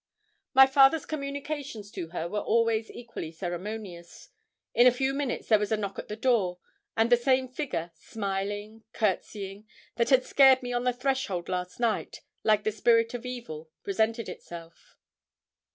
My father's communications to her were always equally ceremonious. In a few minutes there was a knock at the door, and the same figure, smiling, courtesying, that had scared me on the threshold last night, like the spirit of evil, presented itself.